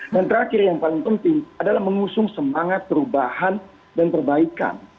dan terakhir yang paling penting adalah mengusung semangat perubahan dan perbaikan